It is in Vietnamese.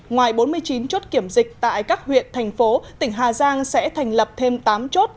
ngoài bốn mươi chín chốt kiểm dịch tại các huyện thành phố tỉnh hà giang sẽ thành lập thêm tám chốt